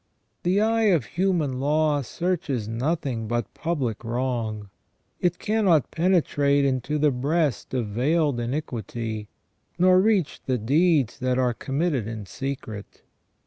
The eye of human law searches nothing but public wrong ; it cannot penetrate into the breast of veiled iniquity, nor reach the deeds that are com mitted in secret.